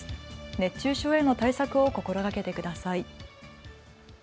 熱中症への対策を心がけてください。